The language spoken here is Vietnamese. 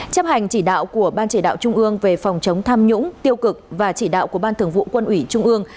chấp hành chỉ đạo của ban chỉ đạo trung ương về phòng chống tham nhũng tiêu cực và chỉ đạo của ban thường vụ quân ủy trung ương